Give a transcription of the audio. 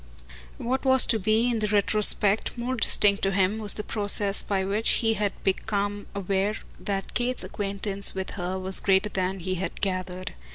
What was to be in the retrospect more distinct to him was the process by which he had become aware that Kate's acquaintance with her was greater than he had gathered.